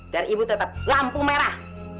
ibu tetap lampu merah